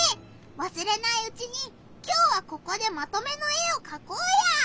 わすれないうちにきょうはここでまとめの絵をかこうよ！